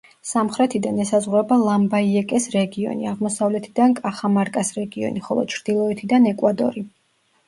სამხრეთიდან ესაზღვრება ლამბაიეკეს რეგიონი, აღმოსავლეთიდან კახამარკას რეგიონი, ხოლო ჩრდილოეთიდან ეკვადორი.